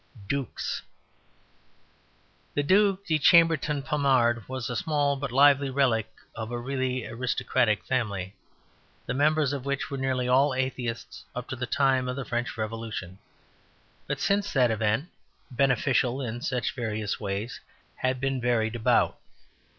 Dukes The Duc de Chambertin Pommard was a small but lively relic of a really aristocratic family, the members of which were nearly all Atheists up to the time of the French Revolution, but since that event (beneficial in such various ways) had been very devout.